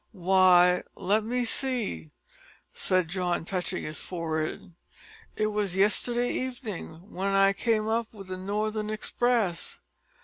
"W'y, let me see," said John, touching his forehead, "it was yesterday evenin' w'en I came up with the northern express."